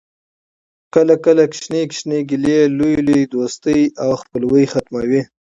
کله کله کوچنۍ کوچنۍ ګیلې لویي لویي دوستۍ او خپلوۍ ختموي